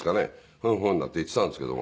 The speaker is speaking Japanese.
「ふんふん」なんて言ってたんですけども。